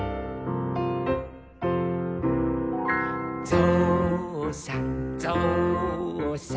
「ぞうさんぞうさん」